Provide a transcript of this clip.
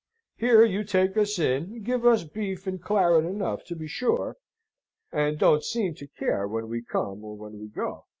Here you take us in, give us beef and claret enough, to be sure, and don't seem to care when we come, or when we go.